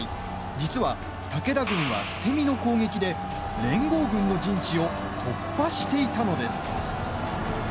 実は武田軍は捨て身の攻撃で連合軍の陣地を突破していたのです。